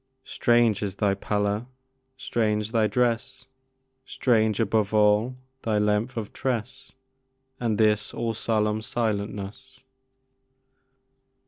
Strange is thy pallor! strange thy dress! Strange, above all, thy length of tress, And this all solemn silentness!